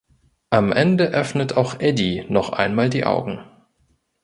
Am Ende öffnet auch Eddie noch einmal die Augen.